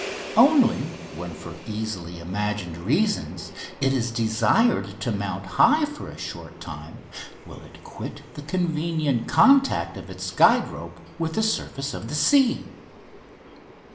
Only when for easily imagined reasons it is desired to mount high for a short time will it quit the convenient contact of its guide rope with the surface of the sea.